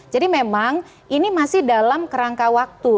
jadi memang ini masih dalam kerangka waktu